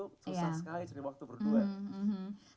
susah sekali jadi waktu berdua